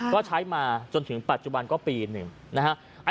ก็ใช้มาจนถึงปัจจุบันก็ปีหนึ่งนะฮะ